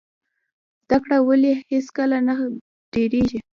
زده کړه ولې هیڅکله نه دریږي؟